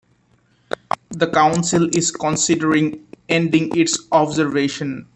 The council is considering ending its observation.